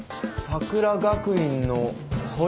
さくら学院？